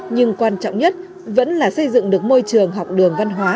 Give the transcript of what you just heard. nhưng quan trọng nhất vẫn là xây dựng được môi trường học đường văn hóa